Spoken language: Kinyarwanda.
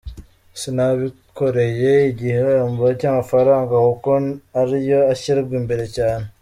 Sinabikoreye igihembo cy’amafaranga kuko ari yo ashyirwa imbere cyane.